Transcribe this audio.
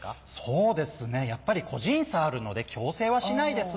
そうですねやっぱり個人差あるので強制はしないですね。